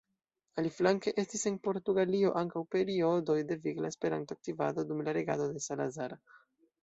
Aliflanke estis en Portugalio ankaŭ periodoj de vigla Esperanto-aktivado dum la regado de Salazar.